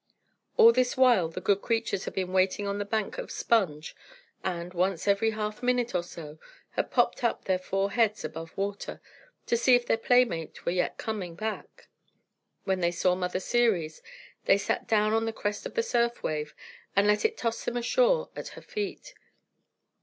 All this while, the good creatures had been waiting on the bank of sponge, and, once every half minute or so, had popped up their four heads above water, to see if their playmate were yet coming back. When they saw Mother Ceres, they sat down on the crest of the surf wave, and let it toss them ashore at her feet.